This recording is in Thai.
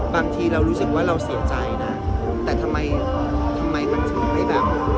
บางทีเรารู้สึกว่าเราเสียใจนะแต่ทำไมทำไมมันถึงไม่แบบ